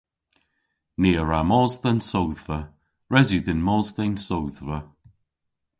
Ni a wra mos dhe'n sodhva. Res yw dhyn mos dhe'n sodhva.